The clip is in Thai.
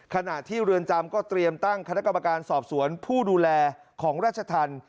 ขณะที่เรือนจำก็เตรียมตั้งคณะกรรมการสอบสวนผู้ดูแลของราชธรรม